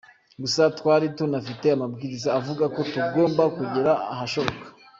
Gusa twari tunafite amabwiriza avuga ko tugomba kugera ahashoboka”.